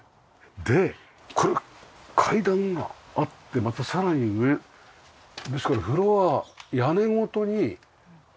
でこれ階段があってまたさらに上ですからフロアは屋根ごとに何段なんですか？